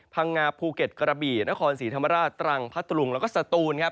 พังงาภูเก็ตกระบี่นครศรีธรรมราชตรังพัทธรุงแล้วก็สตูนครับ